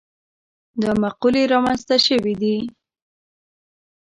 دا مقولې رامنځته شوي دي.